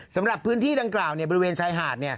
สำหรับพื้นที่ดังกล่าวบริเวณชายหาด